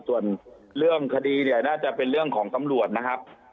ส่วนเรื่องคดีเนี่ยน่าจะเป็นเรื่องของตำรวจนะครับ